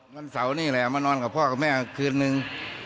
วันเสาร์นี่แหละมานอนกับพ่อกับแม่คืนนึง